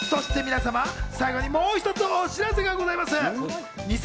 そして皆様、最後にもう一つ、お知らせがございます。